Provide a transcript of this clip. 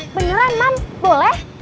beneran mam boleh